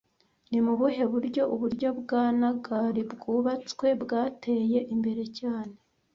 Ni mu buhe buryo uburyo bwa Nagar bwubatswe bwateye imbere cyane